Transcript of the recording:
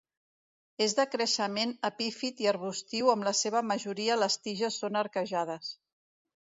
És de creixement epífit i arbustiu amb la seva majoria les tiges són arquejades.